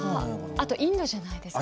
あとインドじゃないですか？